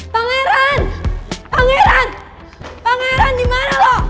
pangeran pangeran pangeran dimana lo